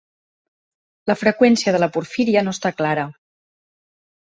La freqüència de la porfíria no està clara.